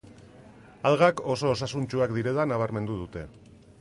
Algak oso osasuntsuak direla nabarmendu dute.